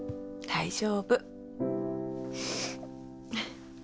大丈夫。